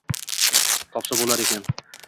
Topsa bo‘lar ekan.